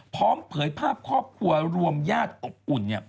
เผยภาพครอบครัวรวมญาติอบอุ่น